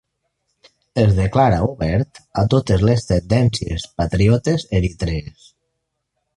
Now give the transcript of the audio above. Es declara obert a totes les tendències patriotes eritrees.